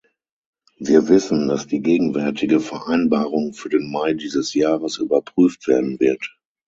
Wir wissen, dass die gegenwärtige Vereinbarung für den Mai dieses Jahres überprüft werden wird.